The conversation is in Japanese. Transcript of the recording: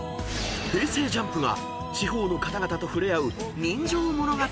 ＪＵＭＰが地方の方々と触れ合う人情物語］